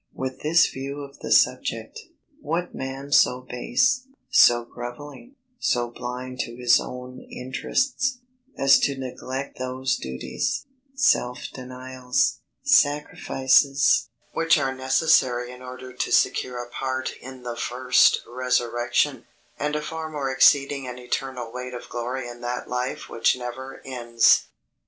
With this view of the subject, what man so base, so grovelling, so blind to his own interests, as to neglect those duties, self denials, sacrifices, which are necessary in order to secure a part in the first resurrection, and a far more exceeding and eternal weight of glory in that life which never ends?